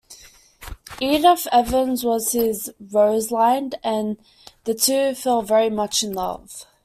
Edith Evans was his Rosalind and the two fell very much in love.